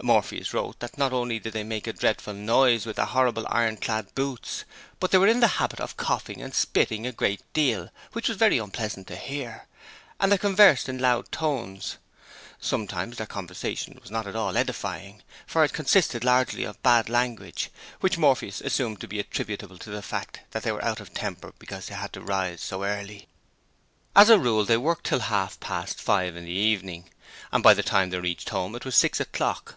'Morpheus' wrote that not only did they make a dreadful noise with their horrible iron clad boots, but they were in the habit of coughing and spitting a great deal, which was very unpleasant to hear, and they conversed in loud tones. Sometimes their conversation was not at all edifying, for it consisted largely of bad language, which 'Morpheus' assumed to be attributable to the fact that they were out of temper because they had to rise so early. As a rule they worked till half past five in the evening, and by the time they reached home it was six o'clock.